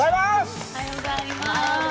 おはようございます。